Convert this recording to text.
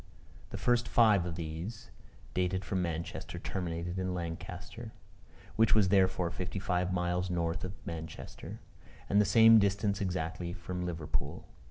The first five of these, dated from Manchester, terminated in Lancaster, which was therefore fifty five miles north of Manchester, and the same distance exactly from Liverpool.